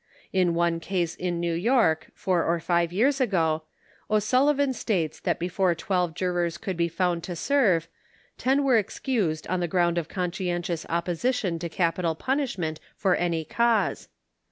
In one case in New York, four or Ave years ago, O'Sullivan states that before twelve jurors could be found to serve, ten were excused on the ground of con scientious opposition to capital punishment for any cause.